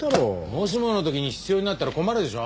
もしもの時に必要になったら困るでしょ？